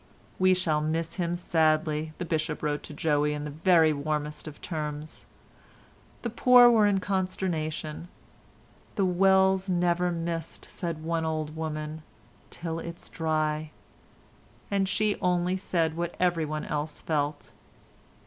"We shall miss him sadly," the bishop wrote to Joey in the very warmest terms. The poor were in consternation. "The well's never missed," said one old woman, "till it's dry," and she only said what everyone else felt.